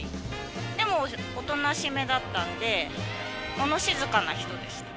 でも、おとなしめだったんで、物静かな人でした。